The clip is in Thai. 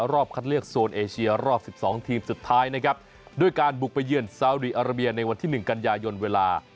รอบคัดเลือกโซนเอเชียรอบสิบสองทีมสุดท้ายนะครับด้วยการบุกไปเยือนซาวดีอาราเบียในวันที่๑กันยายนเวลา